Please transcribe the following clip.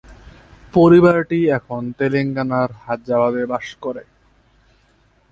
পরিবারটি এখন তেলেঙ্গানার হায়দ্রাবাদ এ বাস করে।